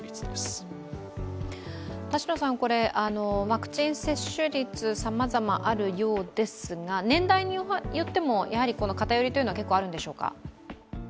ワクチン接種率、さまざまあるようですが、年代によっても偏りは結構あるんでしょうか？